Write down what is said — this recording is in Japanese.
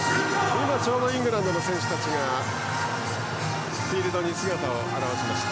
今ちょうどイングランドの選手たちがフィールドに姿を現しました。